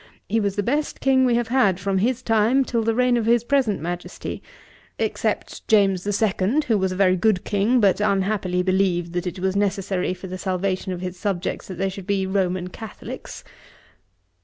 He was the best King we have had from his time till the reign of his present Majesty, except James the Second, who was a very good King, but unhappily believed that it was necessary for the salvation of his subjects that they should be Roman Catholicks.